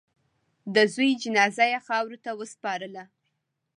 د زوی جنازه یې خاورو ته وسپارله.